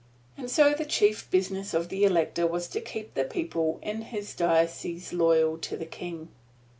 And so the chief business of the elector was to keep the people in his diocese loyal to the King.